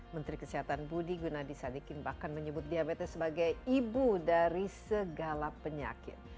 menteri kesehatan budi gunadisadikin bahkan menyebut diabetes sebagai ibu dari segala penyakit